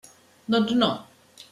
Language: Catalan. Doncs, no!